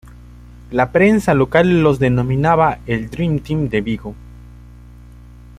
La prensa local los denominaba el Dream Team de Vigo.